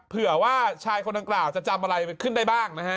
เผื่อว่าชายคนดังกล่าวจะจำอะไรขึ้นได้บ้างนะฮะ